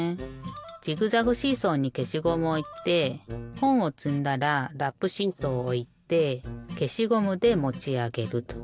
ジグザグシーソーにけしゴムをおいてほんをつんだらラップシーソーをおいてけしゴムでもちあげると。